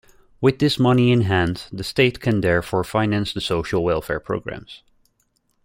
With this money in hand, the State can therefore finance the social welfare programs.